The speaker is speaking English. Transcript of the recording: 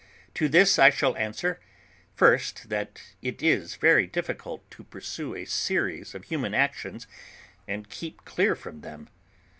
To which I shall answer: first, that it is very difficult to pursue a series of human actions, and keep clear from them.